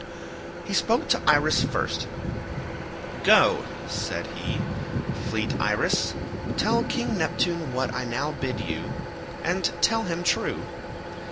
He spoke to Iris first. "Go," said he, "fleet Iris, tell King Neptune what I now bid you—and tell him true.